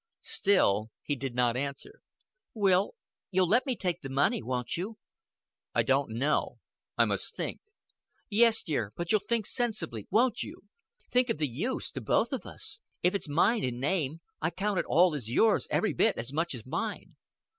Still he did not answer. "Will, you'll let me take the money, won't you?" "I don't know. I must think." "Yes, dear, but you'll think sensibly, won't you? Think of the use to both of us. If it's mine in name, I count it all as yours every bit as much as mine."